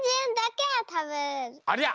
ありゃ！